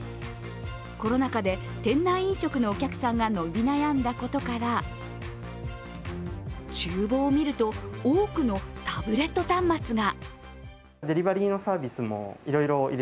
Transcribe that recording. コロナ禍で、店内飲食のお客さんが伸び悩んだことからちゅう房を見ると、多くのタブレット端末が。